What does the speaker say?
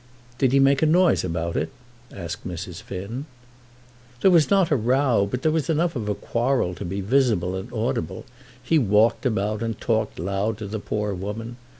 "Did he make a noise about it?" asked Mrs. Finn. "There was not a row, but there was enough of a quarrel to be visible and audible. He walked about and talked loud to the poor woman.